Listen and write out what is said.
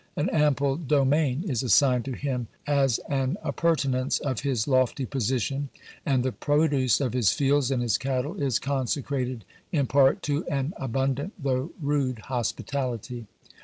An ample domain is assigned to him as an appurtenance of his lofty position, and the produce of his fields and his cattle is consecrated in part to an abundant, though rude hospitality.